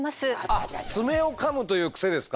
あっ爪をかむというクセですか。